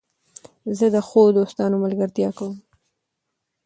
زه د ښو دوستانو ملګرتیا خوښوم.